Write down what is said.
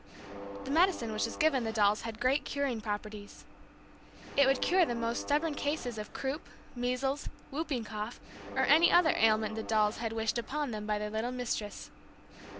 The medicine which was given the dolls had great curing properties. It would cure the most stubborn case of croup, measles, whooping cough or any other ailment the dolls had wished upon them by their little Mistress.